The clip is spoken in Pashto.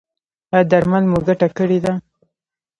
ایا درمل مو ګټه کړې ده؟